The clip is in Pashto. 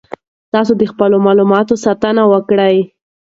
تاسو د خپلو معلوماتو ساتنه وکړئ.